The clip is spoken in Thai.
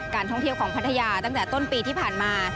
ท่องเที่ยวของพัทยาตั้งแต่ต้นปีที่ผ่านมา